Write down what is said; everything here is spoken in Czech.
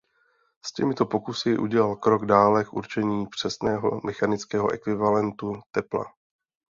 S těmito pokusy udělal krok dále k určení přesného mechanického ekvivalentu tepla.